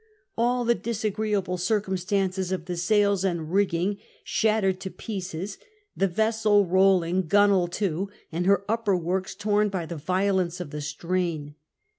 All the disagree able circumstances of the sails and rigging shattered to pieces, the vessel rolling gunwale to, and her upper works tom by the violence of the strain.